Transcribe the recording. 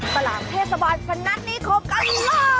สลางเทศบาลฟนัฐนี้ครบกันเลย